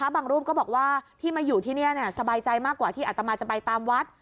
รูปก็บอกว่าที่มาอยู่ที่นี่สบายใจมากกว่าที่อัตมาจะไปตามวัด